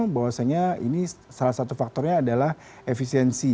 bahwasanya ini salah satu faktornya adalah efisiensi